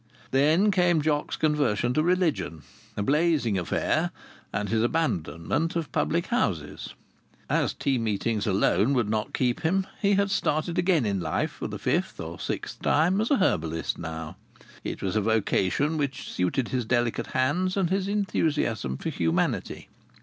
Then came Jock's conversion to religion, a blazing affair, and his abandonment of public houses. As tea meetings alone would not keep him, he had started again in life, for the fifth or sixth time as a herbalist now. It was a vocation which suited his delicate hands and his enthusiasm for humanity.